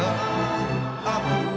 marilah kita berseru